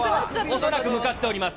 恐らく向かっております。